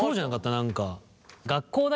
何か。